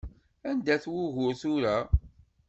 Anda-t wugur tura?